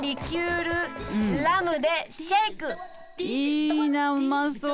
いいなうまそう！